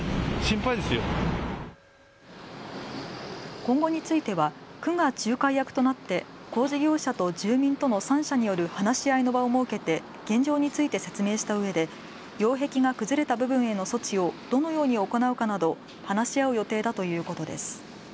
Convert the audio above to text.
今後については区が仲介役となって工事業者と住民との３者による話し合いの場を設けて現状について説明したうえで擁壁が崩れた部分への措置をどのように行うかなどを話し合う予定だということです。